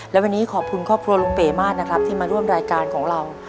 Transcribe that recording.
และวันนี้ขอบคุณครอบครัวลุงเบมากนะครับที่มาร่วมรายการของเรา